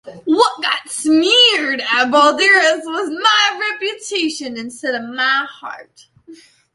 What got "smeared" at Balderas was "my reputation", instead of "my heart".